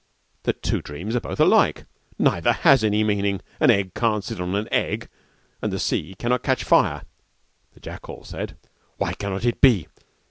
"The two dreams are both alike: neither has any meaning; an egg cannot sit on an egg, and the sea cannot catch fire." The jackal said, "Why cannot it be?